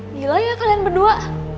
gila ya kalian berdua